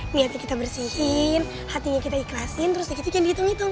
niatnya kita bersihin hatinya kita ikhlasin terus dikit ikitin di hitung hitung